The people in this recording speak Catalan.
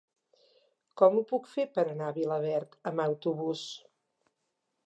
Com ho puc fer per anar a Vilaverd amb autobús?